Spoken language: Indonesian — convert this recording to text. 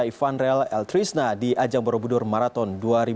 ivanrel l trisna di ajang borobudur maraton dua ribu tujuh belas